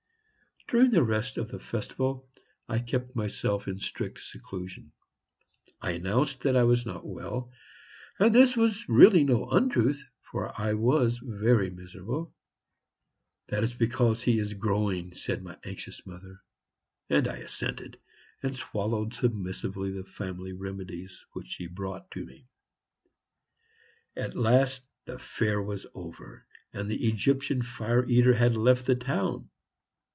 During the rest of the festival I kept myself in strict seclusion. I announced that I was not well, and this was really no untruth, for I was very miserable. "That is because he is growing," said my anxious mother; and I assented, and swallowed submissively the family remedies which she brought to me. At last the fair was over, and the Egyptian fire eater had left the town.